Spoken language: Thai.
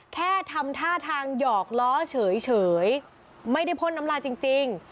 แค่ทำท่าทางหยอกล้อเฉยไม่ได้พ่นน้ำลายจริง